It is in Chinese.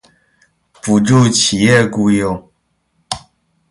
补助企业雇用